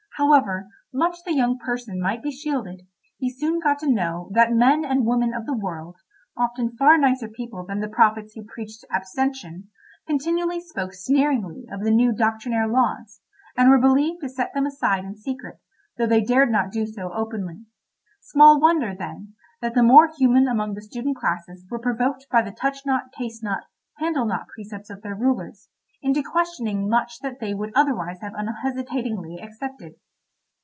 However much the young person might be shielded, he soon got to know that men and women of the world—often far nicer people than the prophets who preached abstention—continually spoke sneeringly of the new doctrinaire laws, and were believed to set them aside in secret, though they dared not do so openly. Small wonder, then, that the more human among the student classes were provoked by the touch not, taste not, handle not precepts of their rulers, into questioning much that they would otherwise have unhesitatingly accepted.